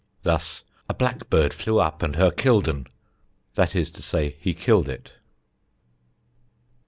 Thus, "a blackbird flew up and her killed 'n"; that is to say, he killed it.